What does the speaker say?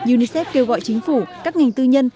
unicef kêu gọi chính phủ các ngành tư nhân